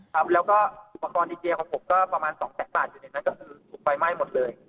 ครับแล้วก็อุปกรณ์ดีเจของผมก็ประมาณสองแสนบาทอยู่ในนั้นก็คือถูกไฟไหม้หมดเลย